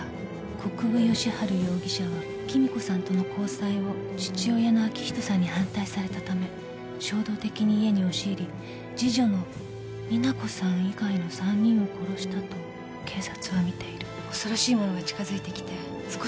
「国府吉春容疑者は貴美子さんとの交際を父親の明仁さんに反対されたため衝動的に家に押し入り次女の実那子さん以外の３人を殺したと警察はみている」恐ろしいものが近づいてきて少しずつ正体が分かってくる。